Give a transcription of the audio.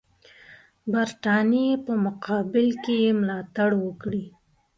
برټانیې په مقابل کې یې ملاتړ وکړي.